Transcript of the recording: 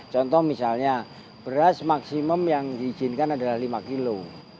contoh misalnya beras maksimum yang diizinkan adalah lima kilo